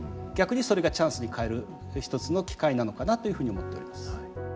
逆にそれがチャンスに変える一つの機会なのかなというふうに思っております。